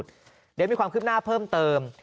เดี๋ยวมีความคืบหน้าเพิ่มเติม